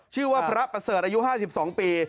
ชื่อว่าพระประเสริฐอายุ๕๒ปี